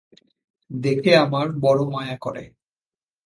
দেখে আমার বড়ো মায়া করে।